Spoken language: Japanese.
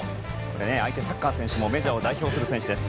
相手、タッカー選手もメジャーを代表する選手です。